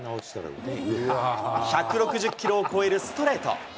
１６０キロを超えるストレート。